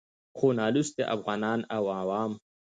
خو نالوستي افغانان او عوام